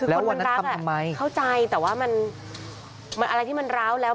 คือคนมันรักเข้าใจแต่ว่ามันอะไรที่มันร้าวแล้ว